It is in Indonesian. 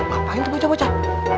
apa itu bocah bocah